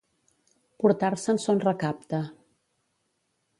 Portar-se'n son recapte.